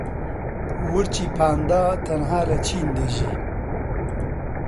ورچی پاندا تەنها لە چین دەژی.